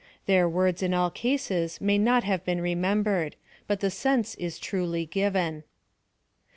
Their words in all cases may not have been remembered, but the sense is truly given.